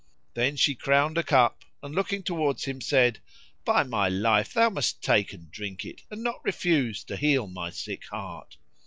Then she crowned a cup and looking towards him said, "By my life thou must take and drink it, and not refuse to heal my sick heart!"